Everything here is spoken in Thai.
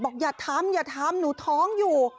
อย่าทำอย่าทำหนูท้องอยู่